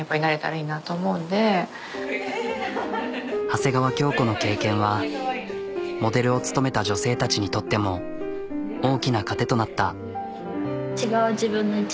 長谷川京子の経験はモデルを務めた女性たちにとっても大きな糧となった。